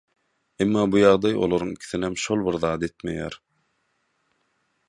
Emma bu ýagdaý olaryň ikisinem şol bir zat etmeýär.